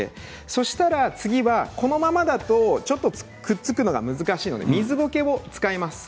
そうしたら、このままだとちょっとくっつくのが難しいので水ゴケを使います。